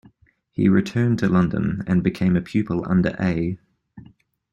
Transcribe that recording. He returned to London and became a pupil under A.